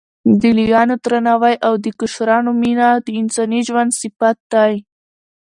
د لویانو درناوی او د کشرانو مینه د انساني ژوند صفت دی.